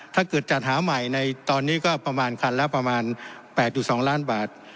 จัดหาใหม่ในตอนนี้ก็ประมาณคันละประมาณ๘๒ล้านบาท